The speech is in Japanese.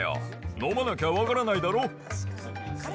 飲まなきゃ分からないだろ。